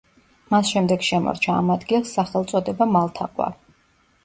მას შემდეგ შემორჩა ამ ადგილს სახელწოდება მალთაყვა.